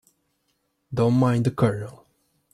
Don't mind the Colonel.